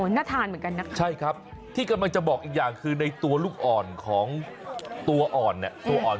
น่าทานเหมือนกันนะคะใช่ครับที่กำลังจะบอกอีกอย่างคือในตัวลูกอ่อนของตัวอ่อนเนี่ยตัวอ่อน